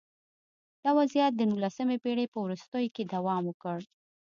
دا وضعیت د نولسمې پېړۍ په وروستیو کې دوام وکړ